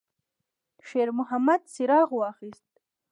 شېرمحمد څراغ واخیست.